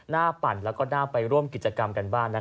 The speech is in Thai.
ปั่นแล้วก็น่าไปร่วมกิจกรรมกันบ้าง